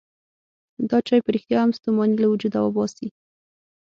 دا چای په رښتیا هم ستوماني له وجوده وباسي.